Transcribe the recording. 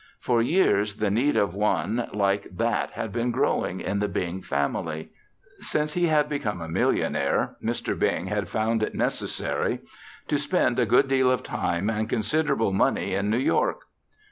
For years the need of one like that had been growing in the Bing family. Since he had become a millionaire, Mr. Bing had found it necessary to spend a good deal of time and considerable money in New York.